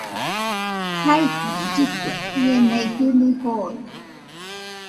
Jaikɨbe lligue, ie mei jɨnui joone.